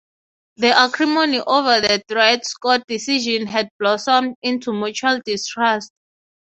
The acrimony over the Dred Scott decision had blossomed into mutual distrust.